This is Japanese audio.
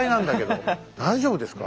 大丈夫ですか？